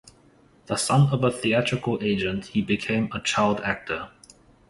The son of a theatrical agent he became a child actor.